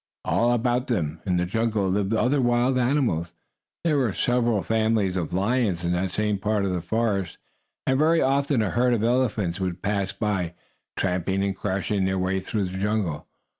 All about them, in the jungle, lived other wild animals. There were several families of lions in that same part of the forest, and very often a herd of elephants would pass by, tramping and crashing their way through the jungle.